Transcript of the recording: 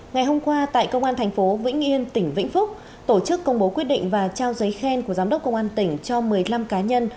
ngày hôm qua tại công an thành phố vĩnh yên tỉnh vĩnh phúc tổ chức công bố quyết định và trao giấy khen của giám đốc công an tỉnh cho một mươi năm cá nhân